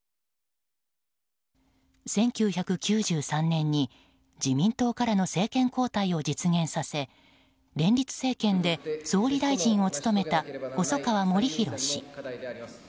１９９３年に自民党からの政権交代を実現させ連立政権で総理大臣を務めた細川護熙氏。